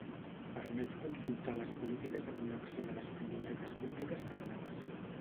Permet consultar les polítiques de col·lecció de les biblioteques públiques catalanes.